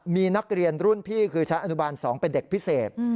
มีนักเรียนรุ่นพี่คือชั้นอนุบาล๒เป็นเด็กพิเศษ